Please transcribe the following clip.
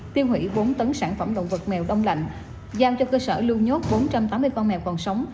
tiêu hủy bốn tấn sản phẩm động vật mèo đông lạnh giao cho cơ sở lưu nhốt bốn trăm tám mươi con mèo còn sống